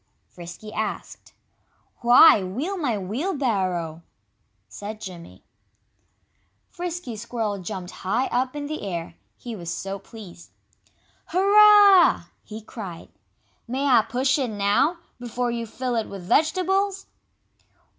Frisky asked. "Why, wheel my wheelbarrow!" said Jimmy. Frisky Squirrel jumped high up in the air, he was so pleased. "Hurrah!" he cried. "May I push it now, before you fill it with vegetables?"